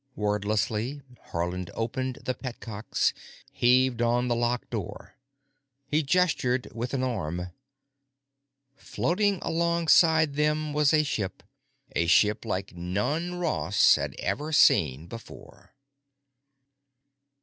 Wordlessly Haarland opened the pet cocks, heaved on the lock door. He gestured with an arm. Floating alongside them was a ship, a ship like none Ross had ever seen before.